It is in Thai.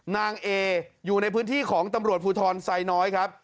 นางเออยู่ในพื้นที่ของตำรวจภูทรไซน้อยครับ